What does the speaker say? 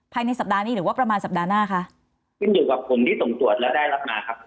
ภายในสัปดาห์นี้หรือว่าประมาณสัปดาห์หน้าคะขึ้นอยู่กับผมที่ส่งตรวจแล้วได้รับมาครับ